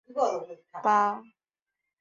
她最终与词曲作者兼制作人展开合作。